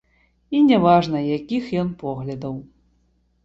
І няважна, якіх ён поглядаў.